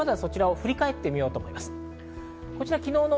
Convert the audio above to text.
振り返ってみようと思います。